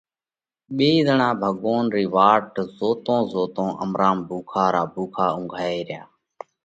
ُو ٻيئي زڻا ڀڳوونَ رئِي واٽ زوتون زوتون امرام ڀُوکا را ڀُوکا اُنگھائي ريا۔